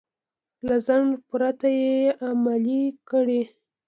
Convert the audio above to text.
له ځنډ پرته يې عملي کړئ.